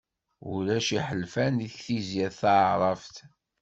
Ulac iḥelfan deg Tegzirt Taεrabt.